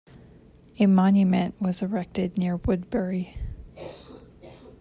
A monument was erected near Woodbury.